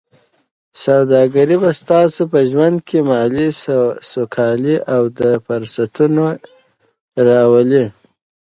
سوداګري به ستاسو په ژوند کې مالي سوکالي او د کار فرصتونه راولي.